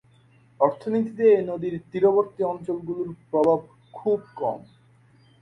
অর্থনীতিতে এই নদীর তীরবর্তী অঞ্চলগুলির প্রভাব খুব কম।